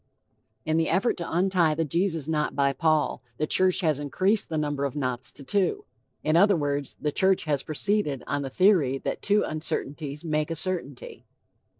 In the effort to untie the Jesus knot by Paul, the church has increased the number of knots to two. In other words, the church has proceeded on the theory that two uncertainties make a certainty.